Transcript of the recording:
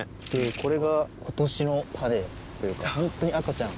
これが今年の種というか本当に赤ちゃん。